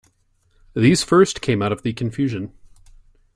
These first came out of the confusion.